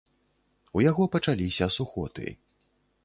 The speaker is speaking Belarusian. У яго пачаліся сухоты.